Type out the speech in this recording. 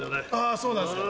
あそうなんですか？